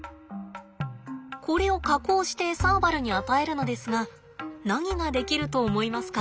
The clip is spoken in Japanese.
これを加工してサーバルに与えるのですが何が出来ると思いますか？